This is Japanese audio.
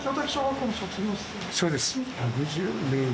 そうです。